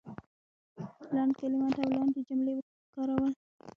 لنډ کلمات او لنډې جملې کارول